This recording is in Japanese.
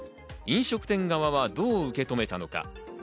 飲食店側はどう受け止めたのか。